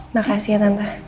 makasih ya tante